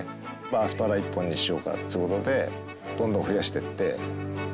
アスパラ一本にしようかという事でどんどん増やしていって。